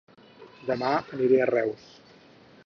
Dema aniré a Reus